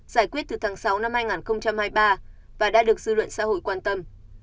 giải quyết từ tháng sáu năm hai nghìn hai mươi ba và đã được dư luận xã hội quan tâm